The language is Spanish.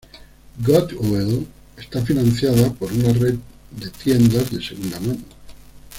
Goodwill está financiada por una red tiendas de segunda mano.